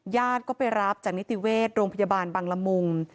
ญาติก็ไปรับจากนิติเวชโรงพยาบาลบังละมุง